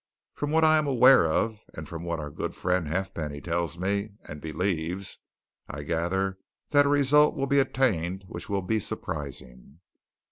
From what I am aware of, and from what our good friend Halfpenny tells me, and believes, I gather that a result will be attained which will be surprising."